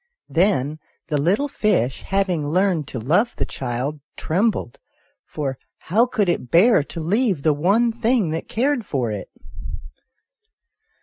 Then the little fish, having learned to love the child, trembled, for how could it bear to leave the one thing that cared for it